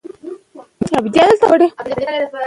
د تیو سرطان ځینې بڼې په لومړیو مرحلو کې درملنه کېږي.